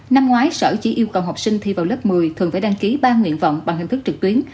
năm ngoái sở chỉ yêu cầu học sinh thi vào lớp một mươi thường phải đăng ký ba nguyện vọng bằng hình thức trực tuyến